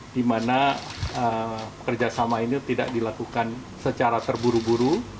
di mana kerjasama ini tidak dilakukan secara terburu buru